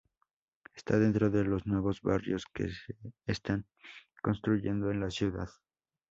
Está dentro de los nuevos barrios que se están construyendo en la ciudad.